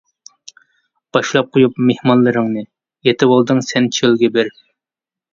باشلاپ قويۇپ مېھمانلىرىڭنى، يېتىۋالدىڭ سەن چۆلگە بېرىپ.